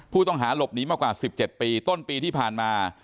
ผู้ต้องหาหลบหนีมากว่า๑๗ปีต้นปีที่ผ่านมา